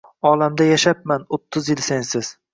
Olamda yashabman o’ttiz yil sensiz.